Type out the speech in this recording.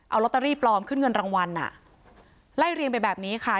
เอาลอตเตอรี่ปลอมขึ้นเงินรางวัลอ่ะไล่เรียงไปแบบนี้ค่ะ